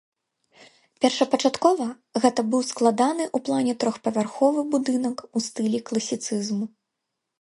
Першапачаткова гэта быў складаны ў плане трохпавярховы будынак у стылі класіцызму.